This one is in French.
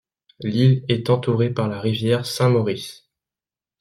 L'île est entourée par la rivière Saint-Maurice.